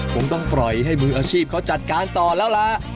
ผมต้องปล่อยให้มืออาชีพเขาจัดการต่อแล้วล่ะ